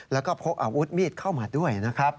แล้วก็พกอาวุธมีดเข้ามาด้วยนะครับ